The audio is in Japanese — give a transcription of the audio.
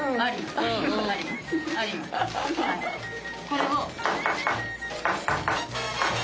これを。